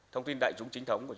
thông tin đại chúng